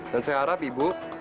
dan saya harap ibu